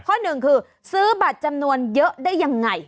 ข้อหนึ่งคือซื้อบัตรจำนวนเยอะได้ยังไง